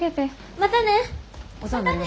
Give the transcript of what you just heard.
またね。